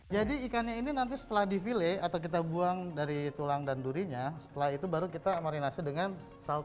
jadi ikannya ini nanti setelah di fillet atau kita buang dari tulang dan durinya setelah itu baru kita marinasi dengan saus petunjuk ya